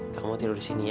kamu tidur di sini ya